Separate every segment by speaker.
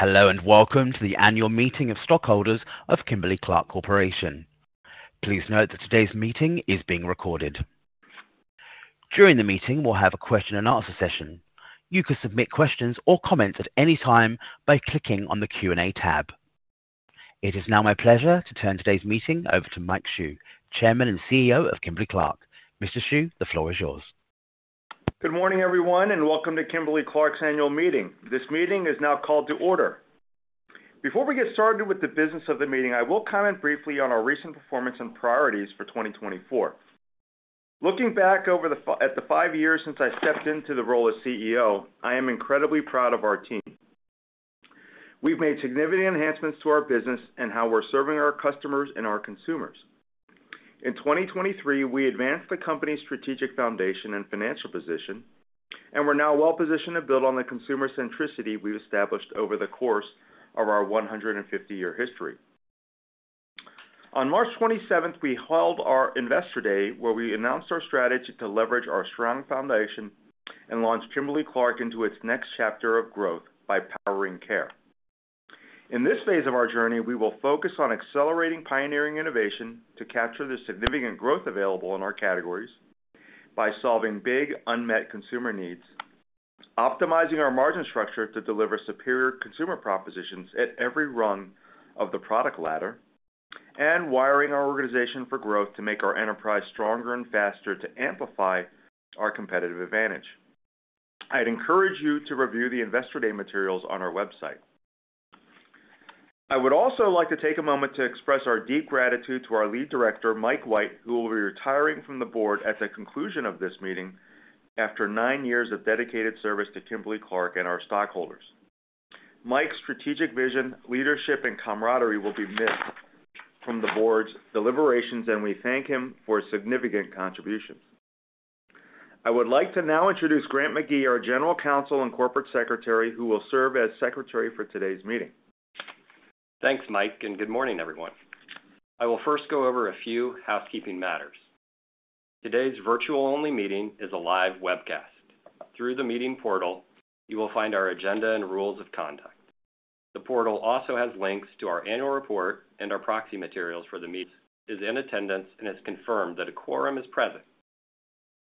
Speaker 1: Hello, and welcome to the annual meeting of stockholders of Kimberly-Clark Corporation. Please note that today's meeting is being recorded. During the meeting, we'll have a question and answer session. You can submit questions or comments at any time by clicking on the Q&A tab. It is now my pleasure to turn today's meeting over to Mike Hsu, Chairman and CEO of Kimberly-Clark. Mr. Hsu, the floor is yours.
Speaker 2: Good morning, everyone, and welcome to Kimberly-Clark's annual meeting. This meeting is now called to order. Before we get started with the business of the meeting, I will comment briefly on our recent performance and priorities for 2024. Looking back over the five years since I stepped into the role as CEO, I am incredibly proud of our team. We've made significant enhancements to our business and how we're serving our customers and our consumers. In 2023, we advanced the company's strategic foundation and financial position, and we're now well positioned to build on the consumer centricity we've established over the course of our 150-year history. On March 27th, we held our Investor Day, where we announced our strategy to leverage our strong foundation and launch Kimberly-Clark into its next chapter of growth by Powering Care. In this phase of our journey, we will focus on accelerating pioneering innovation to capture the significant growth available in our categories by solving big, unmet consumer needs, optimizing our margin structure to deliver superior consumer propositions at every rung of the product ladder, and wiring our organization for growth to make our enterprise stronger and faster to amplify our competitive advantage. I'd encourage you to review the Investor Day materials on our website. I would also like to take a moment to express our deep gratitude to our Lead Director, Mike White, who will be retiring from the board at the conclusion of this meeting after nine years of dedicated service to Kimberly-Clark and our stockholders. Mike's strategic vision, leadership, and camaraderie will be missed from the board's deliberations, and we thank him for his significant contributions. I would like to now introduce Grant McGee, our General Counsel and Corporate Secretary, who will serve as Secretary for today's meeting.
Speaker 3: Thanks, Mike, and good morning, everyone. I will first go over a few housekeeping matters. Today's virtual-only meeting is a live webcast. Through the meeting portal, you will find our agenda and rules of conduct. The portal also has links to our annual report and our proxy materials for the meeting. The Inspectors of Election is in attendance and has confirmed that a quorum is present.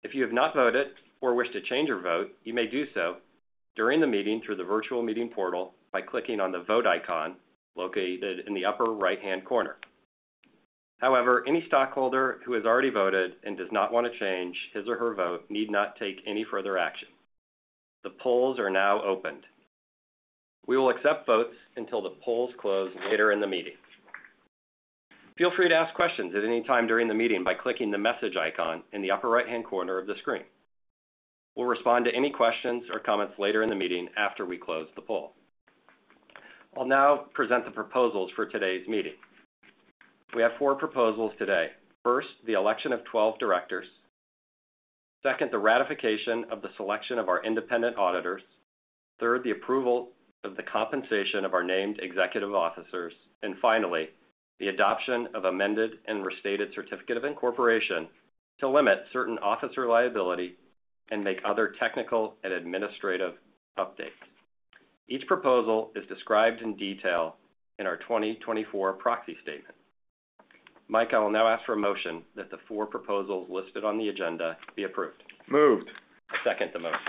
Speaker 3: If you have not voted or wish to change your vote, you may do so during the meeting through the virtual meeting portal by clicking on the Vote icon located in the upper right-hand corner. However, any stockholder who has already voted and does not want to change his or her vote need not take any further action. The polls are now opened. We will accept votes until the polls close later in the meeting. Feel free to ask questions at any time during the meeting by clicking the Message icon in the upper right-hand corner of the screen. We'll respond to any questions or comments later in the meeting after we close the poll. I'll now present the proposals for today's meeting. We have 4 proposals today. First, the election of 12 directors. Second, the ratification of the selection of our independent auditors. Third, the approval of the compensation of our named executive officers. And finally, the adoption of Amended and Restated Certificate of Incorporation to limit certain officer liability and make other technical and administrative updates. Each proposal is described in detail in our 2024 proxy statement. Mike, I will now ask for a motion that the 4 proposals listed on the agenda be approved.
Speaker 2: Moved.
Speaker 3: I second the motion.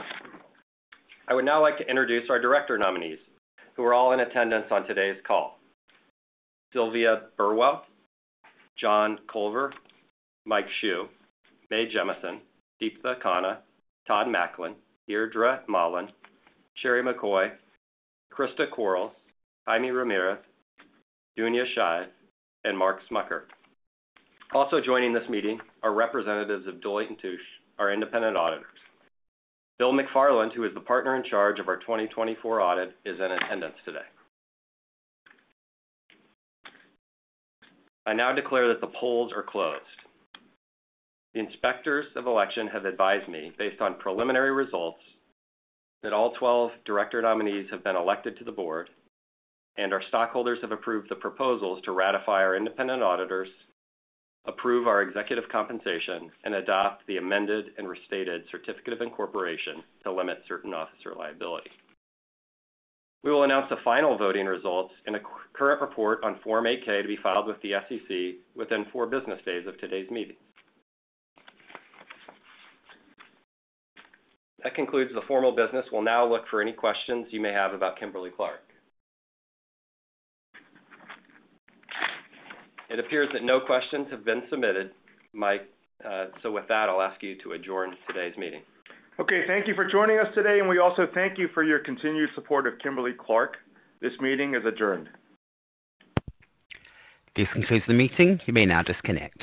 Speaker 3: I would now like to introduce our director nominees, who are all in attendance on today's call. Sylvia Burwell, John Culver, Mike Hsu, Mae Jemison, Deeptha Khanna, S. Todd Maclin, Deirdre Mahlan, Sherilyn McCoy, Christa Quarles, Jaime Ramirez, Dunia Shive, and Mark Smucker. Also joining this meeting are representatives of Deloitte & Touche, our independent auditors. Bill McFarland, who is the partner in charge of our 2024 audit, is in attendance today. I now declare that the polls are closed. The Inspectors of Election have advised me, based on preliminary results, that all 12 director nominees have been elected to the board and our stockholders have approved the proposals to ratify our independent auditors, approve our executive compensation, and adopt the amended and restated certificate of incorporation to limit certain officer liability. We will announce the final voting results in a current report on Form 8-K to be filed with the SEC within four business days of today's meeting. That concludes the formal business. We'll now look for any questions you may have about Kimberly-Clark. It appears that no questions have been submitted, Mike, so with that, I'll ask you to adjourn today's meeting.
Speaker 2: Okay. Thank you for joining us today, and we also thank you for your continued support of Kimberly-Clark. This meeting is adjourned.
Speaker 1: This concludes the meeting. You may now disconnect.